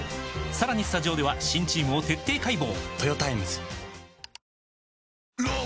さらにスタジオでは新チームを徹底解剖！